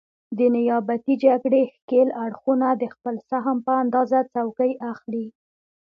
د نیابتي جګړې ښکېل اړخونه د خپل سهم په اندازه څوکۍ اخلي.